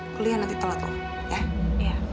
kuliah nanti telat loh